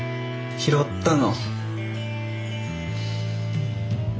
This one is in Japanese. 拾ったの。